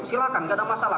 silakan tidak ada masalah